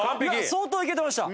相当いけてました。